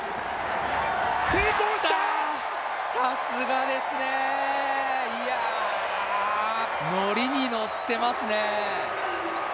さすがですね、いや、乗りに乗ってますね。